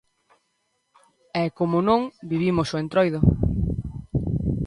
E, como non, vivimos o Entroido.